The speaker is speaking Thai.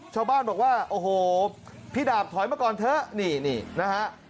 ชาวบ้านบอกว่าโอ้โหพี่ดาบถอยมาก่อนเถอะนี่นี่นะฮะ